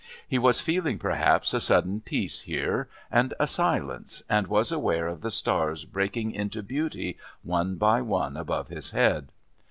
He was feeling, perhaps, a sudden peace here and a silence, and was aware of the stars breaking into beauty one by one above his head.